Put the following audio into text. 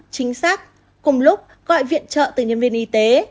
chính xác cùng lúc gọi viện trợ từ nhân viên y tế